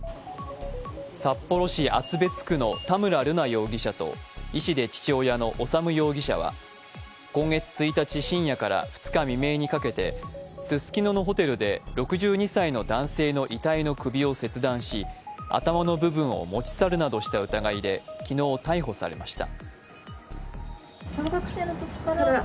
札幌市厚別区の田村瑠奈容疑者と医師で父親の修容疑者は今月１日から２日未明にかけてススキノのホテルで６２歳の男性の遺体の首を切断し頭の部分を持ち去るなどした疑いで昨日逮捕されました。